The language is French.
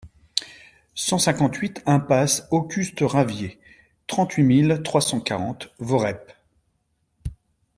cent cinquante-huit impasse Auguste Ravier, trente-huit mille trois cent quarante Voreppe